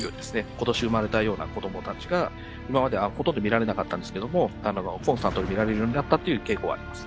今年生まれたような子供たちが今まではほとんど見られなかったんですけどもコンスタントに見られるようになったという傾向はあります。